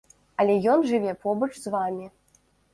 Але ён жыве побач з вамі.